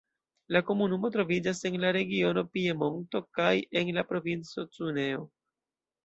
La komunumo troviĝas en la regiono Piemonto kaj en la Provinco Cuneo.